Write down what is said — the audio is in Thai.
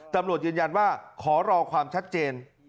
ตำรวจยืนยันว่าขอรอความชัดเจน